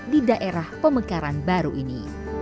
di daerah pemekaran baru ini